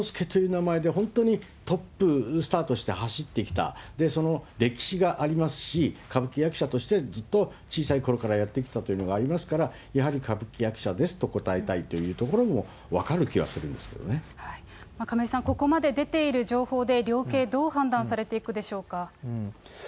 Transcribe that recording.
関係者に、その歴史がありますし、歌舞伎役者としてずっと小さいころからやって来たというのがありますから、やはり歌舞伎役者ですと答えたいというところも分かる亀井さん、ここまで出ている情報で、量刑、どう判断されていくでしょうか。